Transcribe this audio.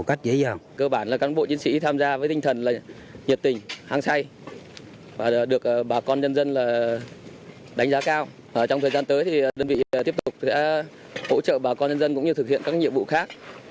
trong thời gian tới đơn vị tiếp tục sẽ hỗ trợ bà con nhân dân cũng như thực hiện các nhiệm vụ khác